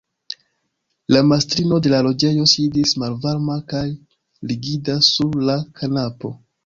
La mastrino de la loĝejo sidis malvarma kaj rigida sur la kanapo.